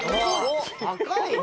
高いね。